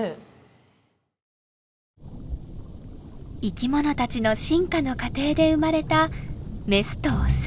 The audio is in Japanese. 生きものたちの進化の過程で生まれたメスとオス。